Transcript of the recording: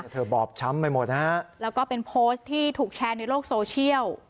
บอบช้ำไปหมดนะฮะแล้วก็เป็นโพสต์ที่ถูกแชร์ในโลกโซเชียล